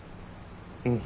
うん。